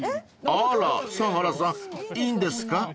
［あら佐原さんいいんですか？］